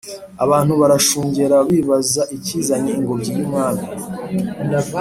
abantu barashungera bibaza ikizanye ingobyi yumwami